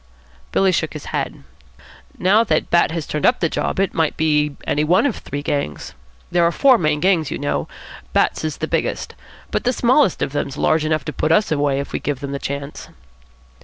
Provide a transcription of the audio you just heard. Billy shook his head. "Now that Bat has turned up the job, it might be any one of three gangs. There are four main gangs, you know. Bat's is the biggest. But the smallest of them's large enough to put us away, if we give them the chance."